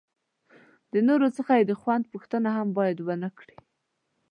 د نورو څخه یې د خوند پوښتنه هم باید ونه کړي.